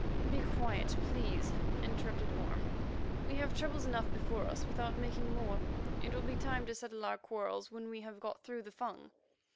"Be quiet, please," interrupted Orme. "We have troubles enough before us, without making more. It will be time to settle our quarrels when we have got through the Fung."